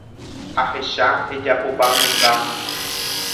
Ahecha ejapopanungáma.